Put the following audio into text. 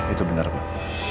itu benar pak